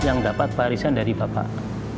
yang dapat barisan dari bapak